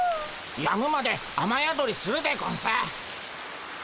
やむまで雨宿りするでゴンス。